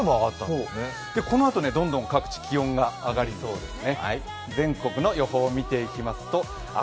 このあと、どんどん各地気温が上がりそうです。